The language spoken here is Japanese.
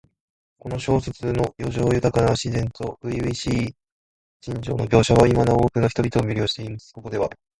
この小説の叙情豊かな自然と初々しい心情の描写は、今なお多くの人々を魅了しています。ここでは、